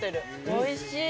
おいしい！